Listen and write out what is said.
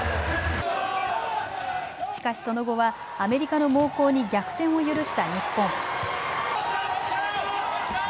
しかしその後はアメリカの猛攻に逆転を許した日本。